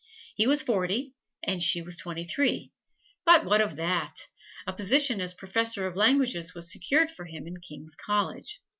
He was forty and she was twenty three but what of that! A position as Professor of Languages was secured for him in King's College.